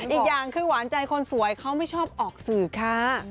อีกอย่างคือหวานใจคนสวยเขาไม่ชอบออกสื่อค่ะ